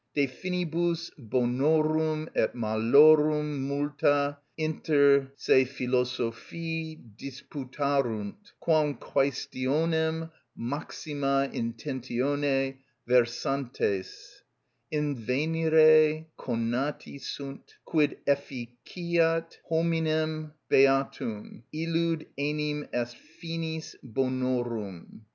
De finibus bonorum et malorum multa inter se philosophi disputarunt; quam quæstionem maxima intentione versantes, invenire conati sunt, quid efficiat hominem beatum: illud enim est finis bonorum.